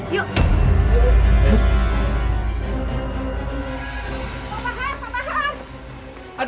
pak bahar pak bahar